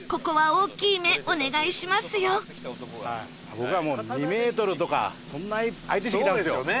僕はもう２メートルとかそんな相手してきたんですよ。